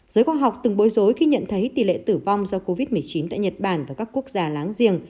giới khoa học từng bối rối khi nhận thấy tỷ lệ tử vong do covid một mươi chín tại nhật bản và các quốc gia láng giềng